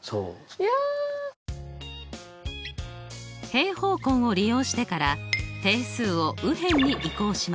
平方根を利用してから定数を右辺に移項します。